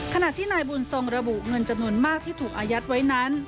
ขณะที่นายบุญทรงระบุเงินจำนวนมากที่ถูกอายัดไว้นั้น